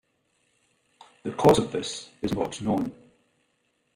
The cause of this is not known.